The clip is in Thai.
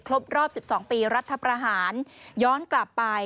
ครบรอบสิบสองปีรัฐพรหารย้อนกลับไป